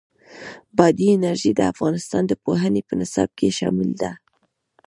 بادي انرژي د افغانستان د پوهنې په نصاب کې شامل ده.